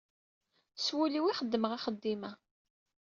S wul-iw i xeddmeɣ axeddim-a.